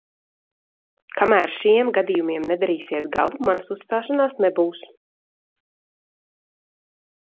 Kamēr šiem gadījumiem nedarīsiet galu, manas uzstāšanās nebūs!